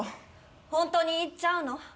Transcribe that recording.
ホントに行っちゃうの？